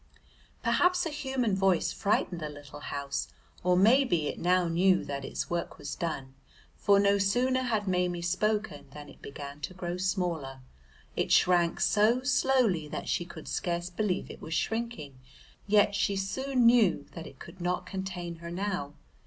Perhaps a human voice frightened the little house, or maybe it now knew that its work was done, for no sooner had Maimie spoken than it began to grow smaller; it shrank so slowly that she could scarce believe it was shrinking, yet she soon knew that it could not contain her now.